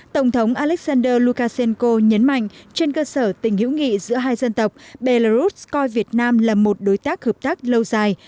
tổng thống alexander lukashenko nhấn mạnh trên cơ sở tình hữu nghị giữa hai dân tộc belarus coi việt nam là một đối tác hợp tác lâu dài